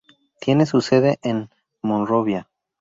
Tiene su sede en Monrovia.